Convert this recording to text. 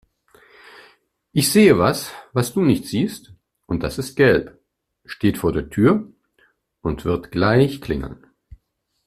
Ich sehe was, was du nicht siehst und das ist gelb, steht vor der Tür und wird gleich klingeln.